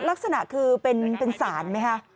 ลักษณะคือเป็นศาลไหมครับ